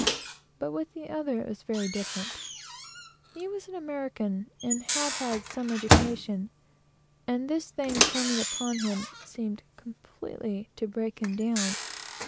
But with the other, it was very different. He was an American, and had had some education; and this thing coming upon him, seemed completely to break him down.